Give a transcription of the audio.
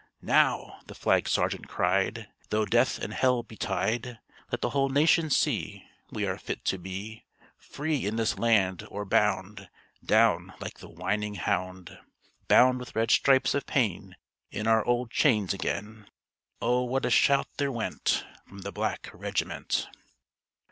"Now," the flag sergeant cried, "Though death and hell betide, Let the whole nation see If we are fit to be Free in this land; or bound Down, like the whining hound, Bound with red stripes of pain In our old chains again!" Oh, what a shout there went From the black regiment!